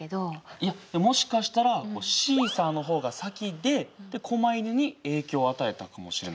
いやもしかしたらシーサーの方が先で狛犬に影響を与えたかもしれないよ。